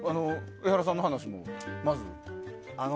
江原さんの話を、まず。